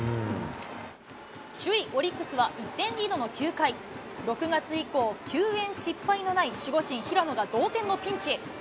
首位オリックスは１点リードの９回、６月以降、きゅうえん失敗のない守護神、平野が同点のピンチ。